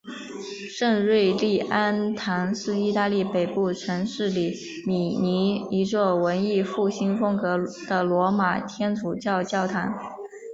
圣儒利安堂是意大利北部城市里米尼一座文艺复兴风格的罗马天主教教堂。